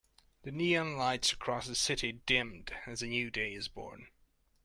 The neon lights across the city dimmed as a new day is born.